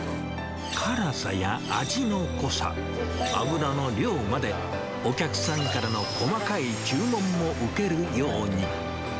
辛さや味の濃さ、油の量まで、お客さんからの細かい注文も受けるように。